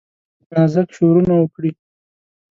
نازک شورونه وکړي